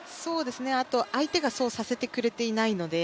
あと、相手がそうさせてくれていないので。